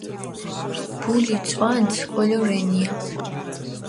ბული წვანც კოლო რენია